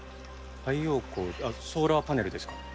太陽光ソーラーパネルですか？